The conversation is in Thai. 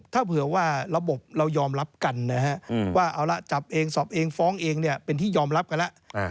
ถ้าเผื่อว่าระบบเรายอมรับกันนะฮะว่าเอาละจับเองสอบเองฟ้องเองเนี่ยเป็นที่ยอมรับกันแล้ว